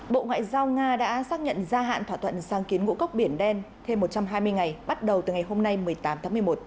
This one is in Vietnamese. bộ ngoại giao nga đã xác nhận gia hạn thỏa thuận sáng kiến ngũ cốc biển đen thêm một trăm hai mươi ngày bắt đầu từ ngày hôm nay một mươi tám tháng một mươi một